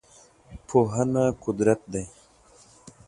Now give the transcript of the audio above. پوهنه قدرت دی.